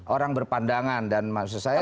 orang berpandangan dan maksud saya